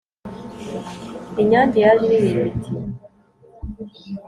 Inyange yaje iririmba iti